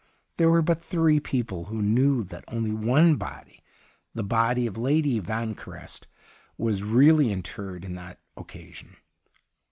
There were but three people who knew that only one body — the body of Lady Vanquerest — was really inteiTed on that occasion.